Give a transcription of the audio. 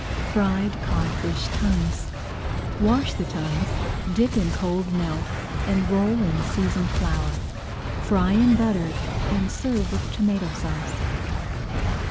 FRIED CODFISH TONGUES Wash the tongues, dip in cold milk and roll in seasoned flour. Fry in butter, and serve with tomato sauce.